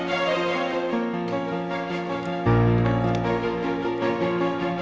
oke pak agri kita mulai